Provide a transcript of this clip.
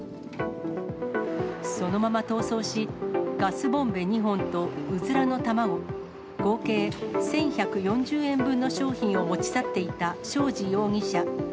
そのまま逃走し、ガスボンベ２本とうずらの卵、合計１１４０円分の商品を持ち去っていた庄司容疑者。